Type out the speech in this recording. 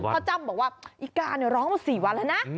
เขาจำบอกว่าอิการ้องมา๔วันแล้วนะ